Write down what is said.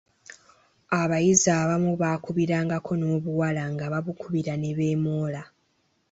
Abayizi abamu baakubirangako n’obuwala nga babukubira ne beemoola.